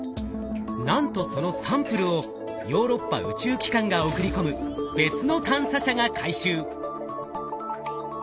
なんとそのサンプルをヨーロッパ宇宙機関が送り込む別の探査車が回収。